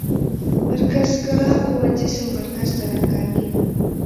مرکزګرا قوه جسم مرکز ته راکاږي.